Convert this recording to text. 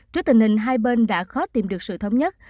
trước tình hình hai bên đã khó tìm được sự thống nhất